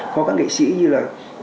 có các nghệ sĩ như là